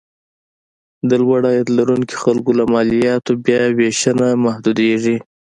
د لوړ عاید لرونکو خلکو له مالیاتو بیاوېشنه محدودېږي.